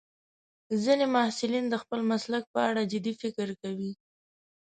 ځینې محصلین د خپل مسلک په اړه جدي فکر کوي.